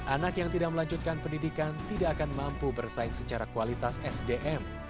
anak yang tidak melanjutkan pendidikan tidak akan mampu bersaing secara kualitas sdm